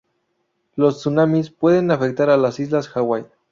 Los tsunamis pueden afectar a las islas Hawái.